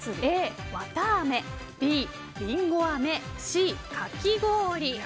Ａ、わたあめＢ、リンゴあめＣ、かき氷。